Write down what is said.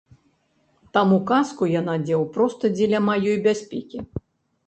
Таму каску я надзеў проста дзеля маёй бяспекі.